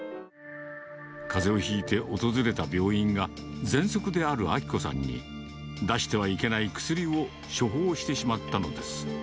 かぜをひいて訪れた病院が、ぜんそくである明子さんに出してはいけない薬を処方してしまったのです。